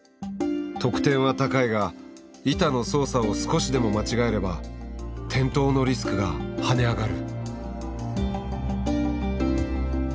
得点は高いが板の操作を少しでも間違えれば転倒のリスクが跳ね上がる。